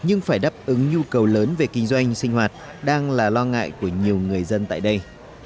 ứng nhu cầu lớn về kinh doanh sinh hoạt đang là lo ngại của nhiều người dân tại đây